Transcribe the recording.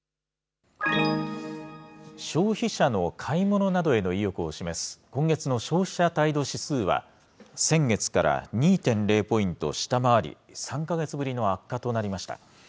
消費者の買い物などへの意欲を示す、今月の消費者態度指数は、先月から２．０ポイント下回り、３か月ぶりの悪化となりました。